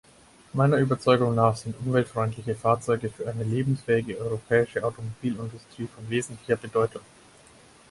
Meiner Überzeugung nach sind umweltfreundliche Fahrzeuge für eine lebensfähige europäische Automobilindustrie von wesentlicher Bedeutung.